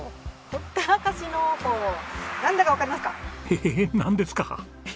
ええっなんですか？